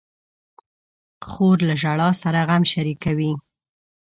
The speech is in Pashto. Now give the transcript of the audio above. خور له ژړا سره غم شریکوي.